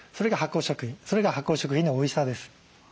それが発酵食品のおいしさです。